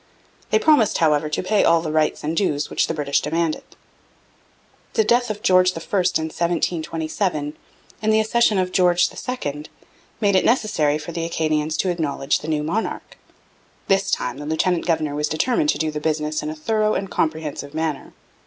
They promised, however, to pay all the rights and dues which the British demanded. The death of George I in 1727, and the accession of George II, made it necessary for the Acadians to acknowledge the new monarch. This time the lieutenant governor was determined to do the business in a thorough and comprehensive manner.